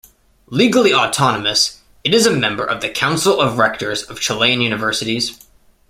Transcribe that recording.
Legally autonomous, it is a member of the Council of Rectors of Chilean Universities.